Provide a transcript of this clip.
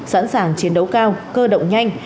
sẵn sàng chiến đấu cao cơ động nhanh